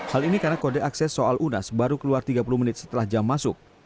hal ini karena kode akses soal unas baru keluar tiga puluh menit setelah jam masuk